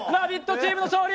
チームの勝利。